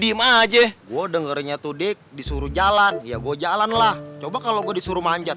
diem aja gue dengernya tudik disuruh jalan ya gue jalan lah coba kalau gue disuruh manjat